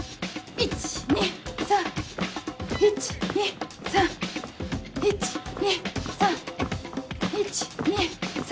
１・２・３。